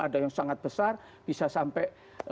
ada yang sangat besar bisa sampai